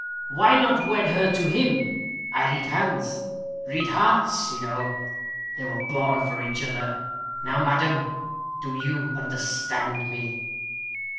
Why not wed her to him? I read hands read hearts, you know. They were born for each other. Now, madam, do you understand me?"